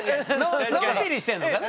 のんびりしてるのかな？